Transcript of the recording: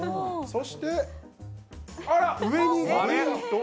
そして、上にと。